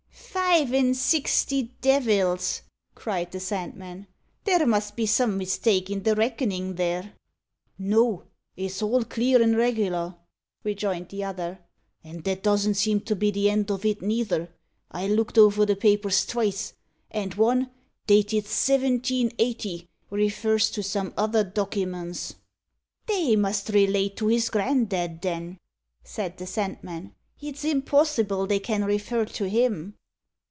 "Five an' sixty devils!" cried the Sandman; "there must be some mistake i' the reckonin' there." "No, it's all clear an' reg'lar," rejoined the other; "and that doesn't seem to be the end of it neither. I looked over the papers twice, and one, dated 1780, refers to some other dokiments." "They must relate to his granddad, then," said the Sandman; "it's impossible they can refer to him."